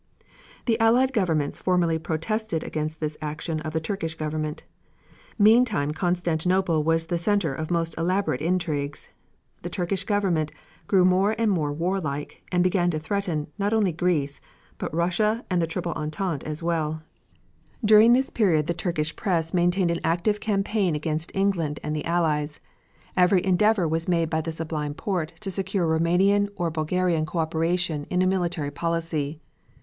The Allied governments formally protested against this action of the Turkish Government. Meantime Constantinople was the center of most elaborate intrigues. The Turkish Government grew more and more warlike, and began to threaten, not only Greece, but Russia and the Triple Entente as well. During this period the Turkish press maintained an active campaign against England and the Allies. Every endeavor was made by the Sublime Porte to secure Roumanian or Bulgarian co operation in a militant policy.